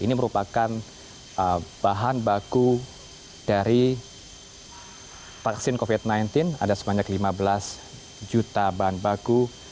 ini merupakan bahan baku dari vaksin covid sembilan belas ada sebanyak lima belas juta bahan baku